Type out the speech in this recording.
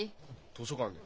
図書館で。